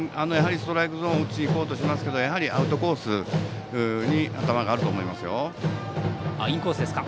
ストライクゾーンを打ちに行こうとしますけどやはりアウトコースに頭があると思いますよ。